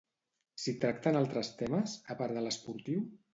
S'hi tracten altres temes, a part de l'esportiu?